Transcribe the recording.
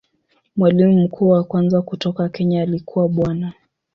Mwalimu mkuu wa kwanza kutoka Kenya alikuwa Bwana.